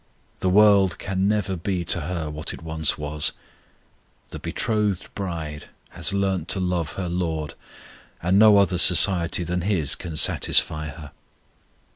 The world can never be to her what it once was; the betrothed bride has learnt to love her LORD, and no other society than His can satisfy her.